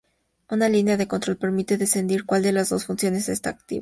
Una línea de control permite discernir cuál de las dos funciones está activa.